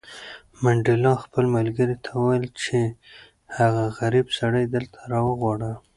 منډېلا خپل ملګري ته وویل چې هغه غریب سړی دلته راوغواړه.